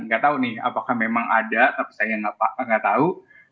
nggak tahu nih apakah memang ada tapi saya nggak tahu